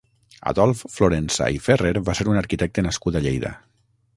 Adolf Florensa i Ferrer va ser un arquitecte nascut a Lleida.